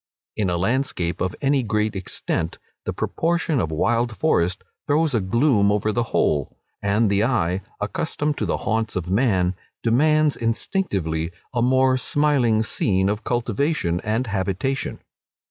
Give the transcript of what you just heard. In a landscape of any great extent, the proportion of wild forest throws a gloom over the whole, and the eye, accustomed to the haunts of man, demands instinctively a more smiling scene of cultivation and habitation.